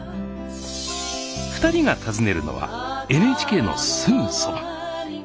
２人が訪ねるのはＮＨＫのすぐそば。